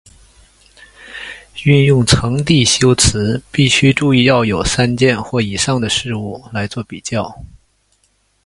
运用层递修辞必须注意要有三件或以上的事物来作比较。